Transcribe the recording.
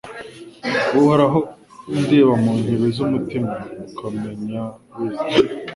Uhoraho undeba mu nkebe z’umutima ukamenya wese